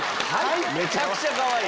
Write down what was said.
めちゃくちゃかわいい。